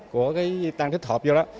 của cái tăng tích hợp vô đó